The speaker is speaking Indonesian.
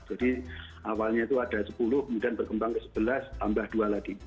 jadi awalnya itu ada sepuluh kemudian berkembang ke sebelas tambah dua lagi